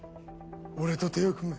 俺と手を組め。